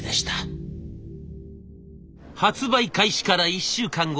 発売開始から１週間後。